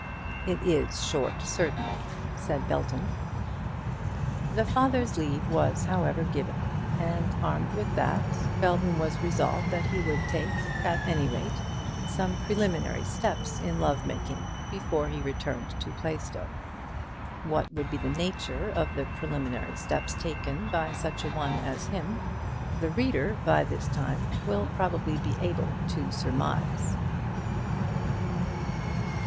"It is short certainly," said Belton. The father's leave was however given, and armed with that, Belton was resolved that he would take, at any rate, some preliminary steps in love making before he returned to Plaistow. What would be the nature of the preliminary steps taken by such a one as him, the reader by this time will probably be able to surmise.